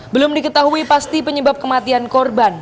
belum diketahui pasti penyebab kematian korban